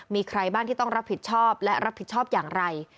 มีใครบ้างที่ต้องรับผิดชอบและรับผิดชอบอย่างไร